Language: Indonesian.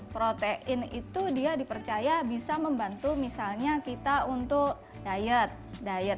protein itu dia dipercaya bisa membantu misalnya kita untuk diet